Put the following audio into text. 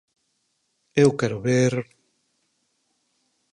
Eu quero ver...